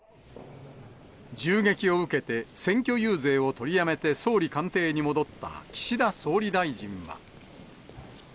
銃撃を受けて、選挙遊説を取りやめて、総理官邸に戻った岸田総理大臣は。